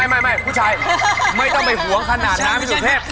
ไม่ผู้ชายไม่ต้องไปห่วงขนาดน้ำพี่สุเทพ